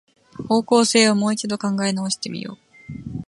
方向性をもう一度考え直してみよう